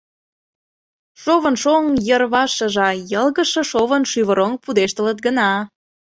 Шовын шоҥ йыр-ваш шыжа, йылгыжше шовын шӱвыроҥ пудештылыт гына.